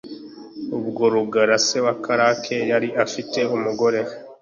Ubwo Rugara se wa Karake yari afite umugore